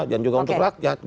dan juga untuk rakyat